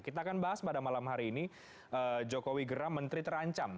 kita akan bahas pada malam hari ini jokowi geram menteri terancam